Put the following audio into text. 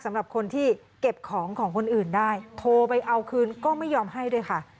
สำหรับคนที่เก็บของของคนอื่นได้โทรไปเอาคืนก็ไม่ยอมให้ด้วยค่ะ